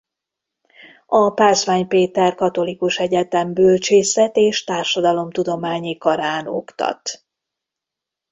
A Pázmány Péter Katolikus Egyetem Bölcsészet- és Társadalomtudományi Karán oktat.